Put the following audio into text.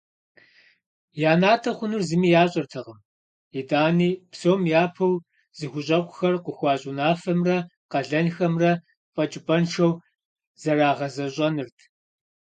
Я натӀэ хъунур зыми ящӀэртэкъым, итӀани псом япэу зыхущӀэкъухэр къыхуащӀ унафэмрэ къалэнхэмрэ фэкӀыпӀэншэу зэрагъэзэщӀэнырт.